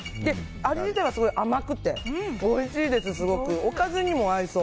味自体はすごく甘くておいしいです。